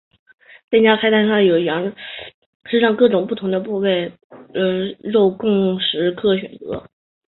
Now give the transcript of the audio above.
店家菜单上有羊身上各个不同的部位的肉供食客选择。